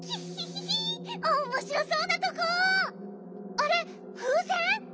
あれふうせん？